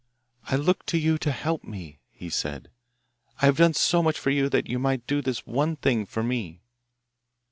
'I look to you to help me,' he said. 'I have done so much for you that you might do this one thing for me.